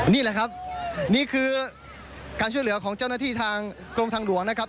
นี่แหละครับนี่คือการช่วยเหลือของเจ้าหน้าที่ทางกรมทางหลวงนะครับ